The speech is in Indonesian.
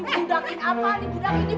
budakin apa nih budaknya